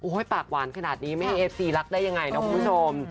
ปากหวานขนาดนี้ไม่ให้เอฟซีรักได้ยังไงนะคุณผู้ชม